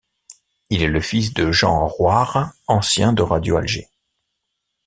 Il est le fils de Jean Roire, ancien de Radio Alger.